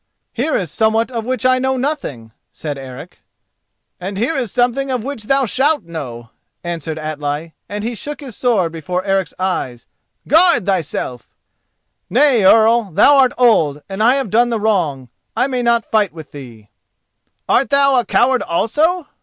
"Here is somewhat of which I know nothing," said Eric. "And here is something of which thou shalt know," answered Atli, and he shook his sword before Eric's eyes. "Guard thyself!" "Nay, Earl; thou art old, and I have done the wrong—I may not fight with thee." "Art thou a coward also?"